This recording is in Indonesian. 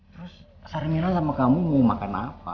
terus sarmina sama kamu mau makan apa